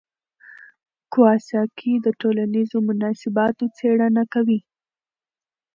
کواساکي د ټولنیزو مناسباتو څېړنه کوي.